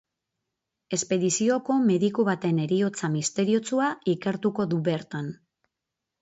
Espedizioko mediku baten heriotza misteriotsua ikertuko du bertan.